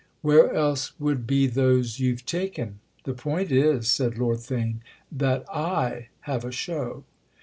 "Where else would be those you've taken? The point is," said Lord Theign, "that I have a show."